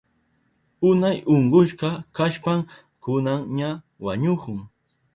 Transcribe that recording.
Unay unkushka kashpan kunan ña wañuhun